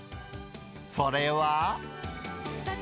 それは。